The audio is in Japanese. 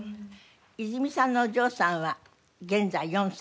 泉さんのお嬢さんは現在４歳。